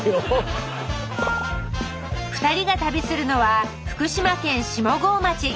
２人が旅するのは福島県下郷町。